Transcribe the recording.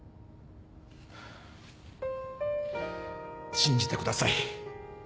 信じてください。